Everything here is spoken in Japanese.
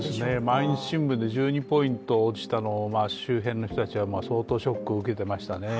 毎日新聞で１２ポイント落ちたのを周辺の人たちは相当ショックを受けていましたね。